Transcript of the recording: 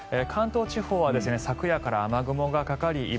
関東地方は昨夜から雨雲がかかり